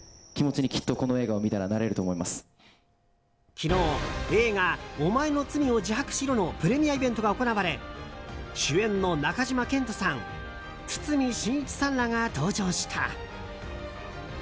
昨日映画「おまえの罪を自白しろ」のプレミアイベントが行われ主演の中島健人さん堤真一さんらが登場した。